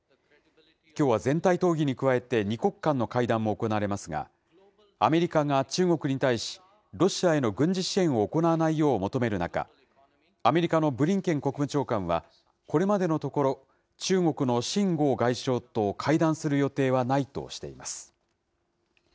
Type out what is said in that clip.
きょうは全体討議に加えて、２国間の会談も行われますが、アメリカが中国に対し、ロシアへの軍事支援を行わないよう求める中、アメリカのブリンケン国務長官は、これまでのところ、中国の秦剛外相と会談する予定はないとしています。